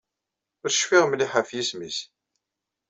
Ur cfiɣ mliḥ ɣef yisem-nnes.